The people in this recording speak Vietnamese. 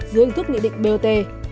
dưới hình thức nghị định bot